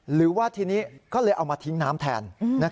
หรือว่าทีนี้ก็เลยเอามาทิ้งน้ำแทน